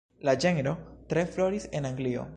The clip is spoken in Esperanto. La ĝenro tre floris en Anglio.